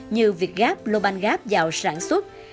như việc gáp lô banh gáp vào sản xuất